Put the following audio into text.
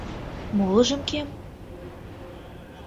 — Молыжым кӧм?